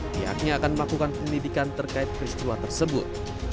pihaknya akan melakukan penyelidikan terkait peristiwa tersebut